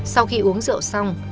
sau khi uống rượu xong